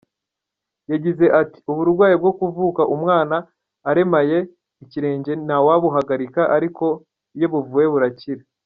Yagize ati “Uburwayi bwo kuvuka umwana aremaye ikirenge ntawabuhagarika ariko iyo buvuwe burakira.